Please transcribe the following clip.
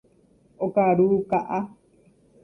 Okaru ka'a.